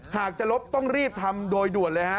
หากจะลบต้องรีบทำโดยด่วนเลยฮะ